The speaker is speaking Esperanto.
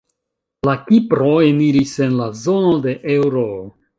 La Kipro eniris en la zono de eŭro.